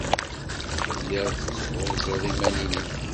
Telliḍ tetthuzzuḍ iman-nnek.